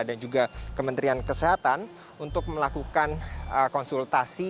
dan juga kementerian kesehatan untuk melakukan konsultasi